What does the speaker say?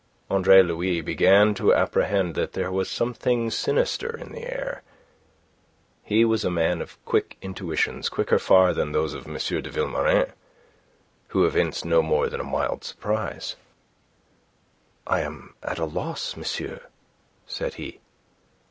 Andre Louis began to apprehend that there was something sinister in the air. He was a man of quick intuitions, quicker far than those of M. de Vilmorin, who evinced no more than a mild surprise. "I am at a loss, monsieur," said he.